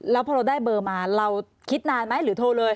แล้วพอเราได้เบอร์มาเราคิดนานไหมหรือโทรเลย